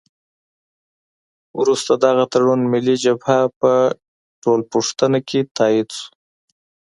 وروسته دغه تړون ملي جبهه په ټولپوښتنه کې تایید شو.